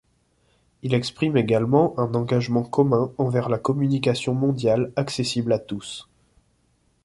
Il exprime également un engagement commun envers la communication mondiale accessible à tous.